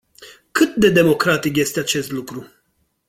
Cât de democratic este acest lucru?